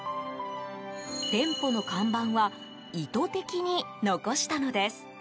店舗の看板は意図的に残したのです。